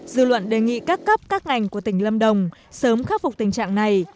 dư luận đề nghị các cấp các ngành của tỉnh lâm đồng sớm khắc phục tình trạng này